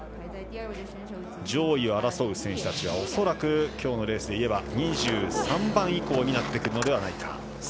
上位を争う選手たちは恐らくきょうのレースで言えば２３番以降になってくるのではないか。